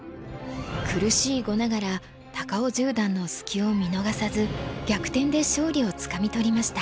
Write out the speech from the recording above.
苦しい碁ながら高尾十段の隙を見逃さず逆転で勝利をつかみ取りました。